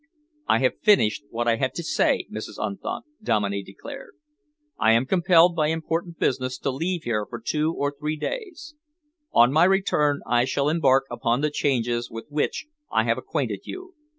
"I have finished what I had to say, Mrs. Unthank," Dominey declared. "I am compelled by important business to leave here for two or three days. On my return I shall embark upon the changes with which I have acquainted you.